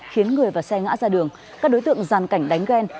khiến người và xe ngã ra đường các đối tượng giàn cảnh đánh ghen